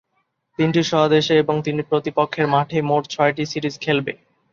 তিনটি স্ব-দেশে ও তিনটি প্রতিপক্ষের মাঠে মোট ছয়টি সিরিজ খেলবে।